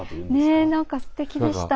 ねえ何かすてきでした。